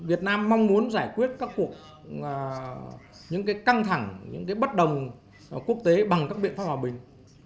việt nam mong muốn giải quyết các cuộc những căng thẳng những bất đồng quốc tế bằng các biện pháp hòa bình